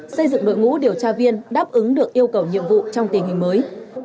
xây dựng đội ngũ điều tra viên đáp ứng được yêu cầu nhiệm vụ trong tình hình mới